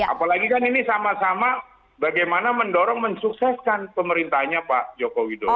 apalagi kan ini sama sama bagaimana mendorong mensukseskan pemerintahnya pak joko widodo